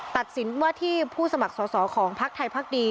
ตัดสินที่ผู้สมัครสอดของภาคไทยพรรคดี